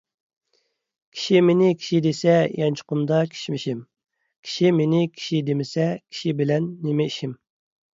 كىشى مېنى كىشى دېسە، يانچۇقۇمدا كىشمىشىم. كىشى مېنى كىشى دېمىسە، كىشى بىلەن نېمە ئىشىم.